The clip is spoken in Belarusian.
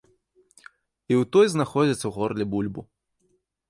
І ў той знаходзяць у горле бульбу.